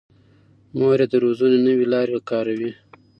مور یې د روزنې نوې لارې کاروي.